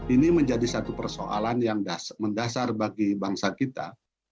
ini menjadi satu persoalan yang mendasar bagi bangsa kita